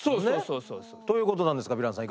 そうそう。ということなんですがヴィランさん